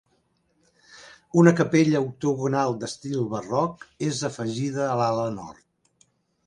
Una capella octogonal d'estil barroc és afegida a l'ala nord.